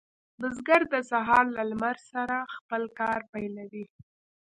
بزګر د سهار له لمر سره خپل کار پیلوي.